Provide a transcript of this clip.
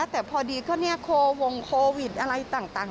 แต่พอดีก็เนี่ยโควงโควิดอะไรต่าง